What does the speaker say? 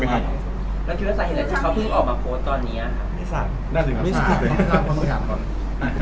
แล้วคือสาเหตุอะไรที่เขาเพิ่งออกมาโพสต์ตอนนี้อะครับ